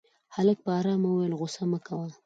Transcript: هلک په آرامه وويل غوسه مه کوه.